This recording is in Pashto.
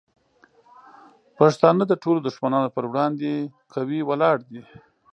پښتانه د ټولو دشمنانو پر وړاندې قوي ولاړ دي.